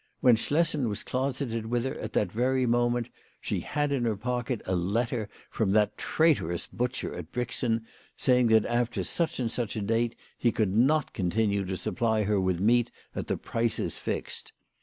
When Schlessen was closeted with her, at that very moment, she had in her pocket a letter from that traitorous butcher at Brixen, saying that after such and such a date he could not continue to supply her with meat at the prices fixed.